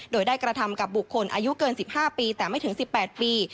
โดยได้กระทำกับบุคคลอายุเกินสิบห้าปีแต่ไม่ถึงสิบแปดปี